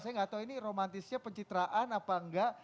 saya nggak tahu ini romantisnya pencitraan apa enggak